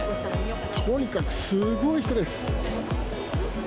とにかくすごい人です。